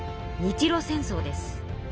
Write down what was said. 日露戦争です。